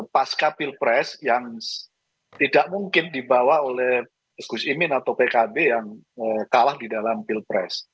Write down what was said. pasca pilpres yang tidak mungkin dibawa oleh gus imin atau pkb yang kalah di dalam pilpres